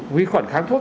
quy khuẩn kháng thuốc